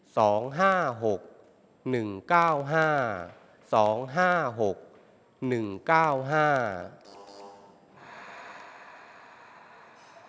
สองห้าหกหนึ่งเก้าห้าสองห้าหกหนึ่งเก้าห้า